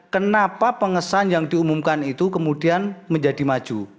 kenapa pengesahan yang diumumkan itu kemudian menjadi maju